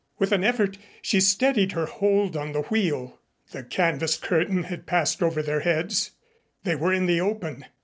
With an effort she steadied her hold on the wheel. The canvas curtain had passed over their heads. They were in the open.